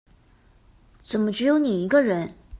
怎麼只有你一個人